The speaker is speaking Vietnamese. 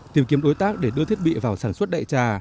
tìm kiếm đối tác để đưa thiết bị vào sản xuất đại trà